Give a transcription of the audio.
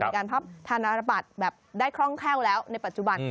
การพับธนบัตรแบบได้คล่องแคล่วแล้วในปัจจุบัน